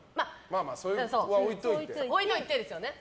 それは置いといてですよね。